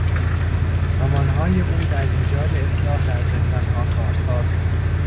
رمانهای او در ایجاد اصلاح در زندانها کارساز بود.